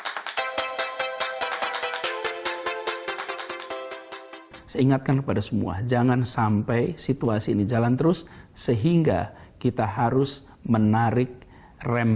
hai seingatkan kepada semua jangan sampai situasi ini jalan terus sehingga kita harus menarik rem